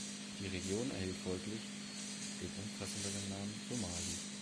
Die Region erhielt folglich den umfassenderen Namen „Somali“.